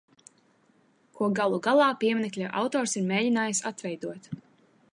Ko galu galā pieminekļa autors ir mēģinājis atveidot.